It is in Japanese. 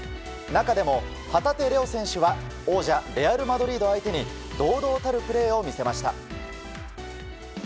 中でも旗手怜央選手は王者レアル・マドリードを相手に堂々たるプレーを見せました。